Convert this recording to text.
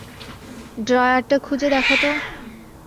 ড্রয়ারটা খুঁজে দেখ তো।